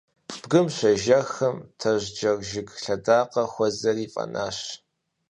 Бгым щежэхым, тажьджэр жыг лъэдакъэ хуэзэри фӀэнащ.